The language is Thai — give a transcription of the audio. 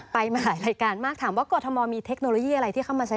ไปมาหลายรายการมากถามว่ากรทมมีเทคโนโลยีอะไรที่เข้ามาใช้